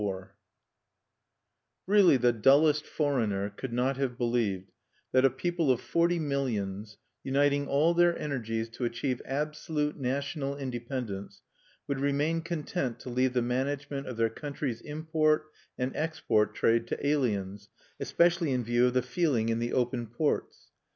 IV Really the dullest foreigner could not have believed that a people of forty millions, uniting all their energies to achieve absolute national independence, would remain content to leave the management of their country's import and export trade to aliens, especially in view of the feeling in the open ports.